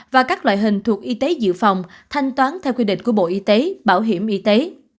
và các loại hình thuộc y tế dự phòng thanh toán theo quy định của bộ y tế bảo hiểm y tế